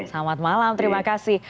selamat malam terima kasih